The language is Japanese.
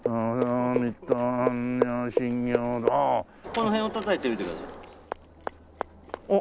この辺をたたいてみてください。